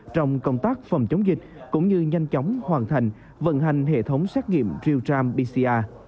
trong công tác phòng chống dịch cũng như nhanh chóng hoàn thành vận hành hệ thống xét nghiệm real time pcr